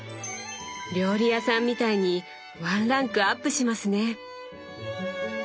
料理屋さんみたいにワンランクアップしますね！